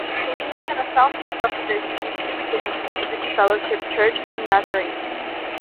Located in the Southmoor subdivision is New Beginnings Community Fellowship Church of the Nazarene.